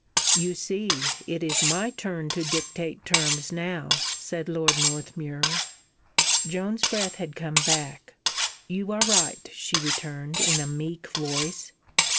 "You see, it is my turn to dictate terms now," said Lord Northmuir. Joan's breath had come back. "You are right," she returned, in a meek voice.